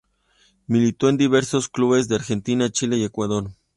Militó en diversos clubes de Argentina, Chile y Ecuador.